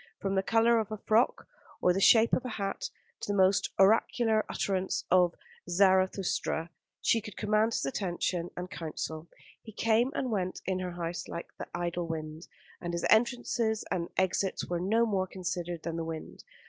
From the colour of a frock or the shape of a hat, to the most oracular utterance of Zarathustra, she could command his attention and counsel. He came and went in her house like the idle wind; and his entrances and exits were no more considered than the wind.